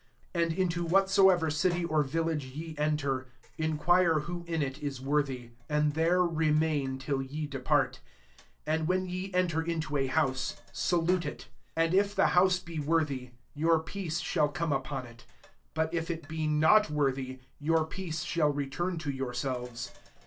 11 And into whatsoever city or village ye enter, inquire who in it is worthy ; and there remain, till ye depart. 12 And vfhen ye enter into a house, salute it 38 MATTHEW X. 13 And if the house be worthy, your peace shall come upon it : but if it be not worthy, your peace shall return to youi selves.